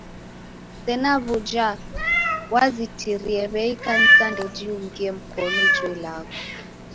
Sena w'uja, wazitirie w'ei ikanisa ndejiungie mkonu ijo ilagho.